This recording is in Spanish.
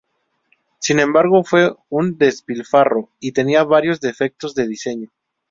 Sin embargo, fue un despilfarro, y tenía varios defectos de diseño.